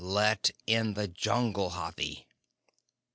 Let in the Jungle, Hathi!"